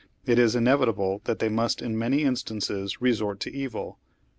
.. It is inev itable that they mast in many instances resort to evil."